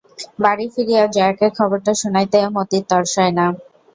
বাড়ি ফিরিয়া জয়াকে খবরটা শোনাইতে মতির তর সয় না।